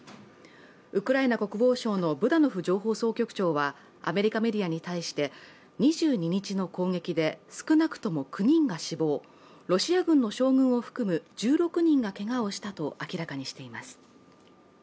ウクライナ国防省のブダノフ情報総局長はアメリカメディアに対して２２日の攻撃で少なくとも９人が死亡ロシア軍の将軍を含む１６人がけがをしたと明らかにしています。